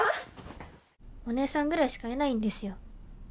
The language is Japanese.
おねえさんぐらいしかいないんですよ